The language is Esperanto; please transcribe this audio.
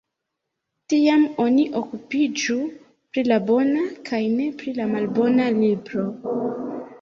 Tiam oni okupiĝu pri la bona, kaj ne pri la malbona libro!